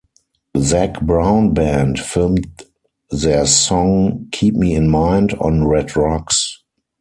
Zac Brown Band filmed their song "Keep Me In Mind" on Red Rocks.